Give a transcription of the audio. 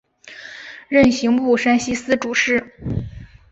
任刑部山西司主事。